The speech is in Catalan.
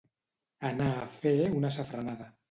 Anar a fer una safranada.